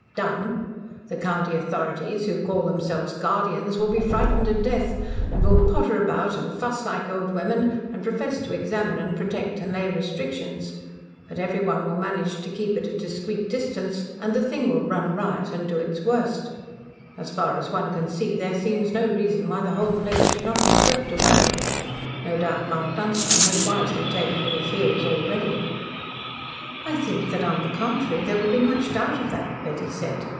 "Done? The county authorities, who call themselves 'guardians,' will be frightened to death and will potter about and fuss like old women, and profess to examine and protect and lay restrictions, but everyone will manage to keep at a discreet distance, and the thing will run riot and do its worst. As far as one can see, there seems no reason why the whole place should not be swept away. No doubt Mount Dunstan has wisely taken to his heels already." "I think that, on the contrary, there would be much doubt of that," Betty said.